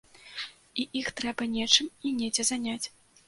І іх трэба нечым і недзе заняць.